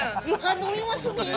飲みますね。